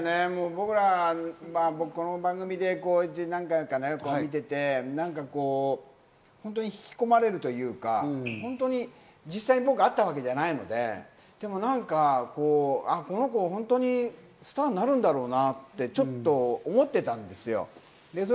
僕らはこの番組で何回か見ていて、引き込まれるというか、実際、僕は会ったわけじゃないので、でも何か、この子、本当にスターになるんだろうなってちょっと思ってたんですよ。